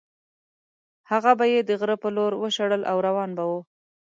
هغه به یې د غره په لور وشړل او روان به وو.